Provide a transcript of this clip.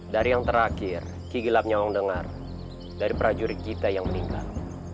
dari yang terakhir kegelapnya yang aku dengar dari prajurit kita yang meninggal